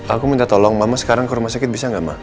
aku minta tolong mama sekarang ke rumah sakit bisa nggak mak